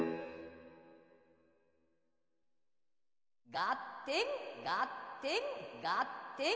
がってんがってんがってん。